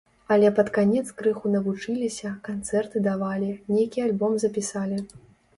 Але пад канец крыху навучыліся, канцэрты давалі, нейкі альбом запісалі.